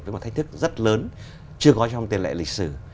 với một thách thức rất lớn chưa có trong tiền lệ lịch sử